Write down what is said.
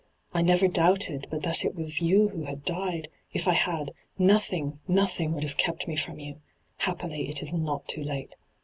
I never doubted but that it was hyGqo^lc ENTRAPPED 245 you who had died ; If I had, nothing, nothing would have kept me from you. Happily, it is not too late.